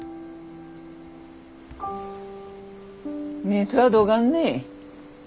熱はどがんね？